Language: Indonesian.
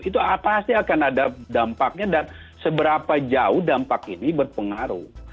itu pasti akan ada dampaknya dan seberapa jauh dampak ini berpengaruh